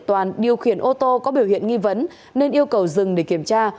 toàn điều khiển ô tô có biểu hiện nghi vấn nên yêu cầu dừng để kiểm tra